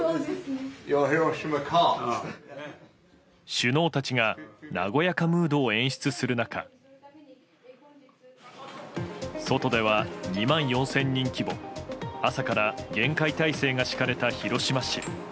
首脳たちが和やかムードを演出する中外では２万４０００人規模朝から厳戒態勢が敷かれた広島市。